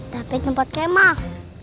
tapi tempat kemah